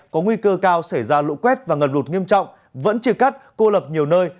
có nguy cơ cao xảy ra lũ quét và ngần lụt nghiêm trọng vẫn chia cắt cô lập nhiều nơi